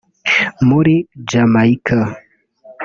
muri Jamaica